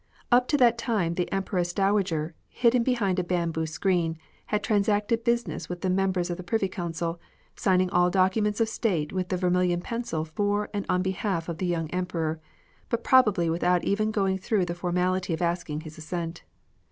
Up to that time the Empresses Dowager, hidden behind a bamboo screen, had transacted business with the members of the Privy Council, signing all docu ments of State with the vermilion pencil for and on behalf of the young Emperor, but probably without even going through the formality of asking his assent.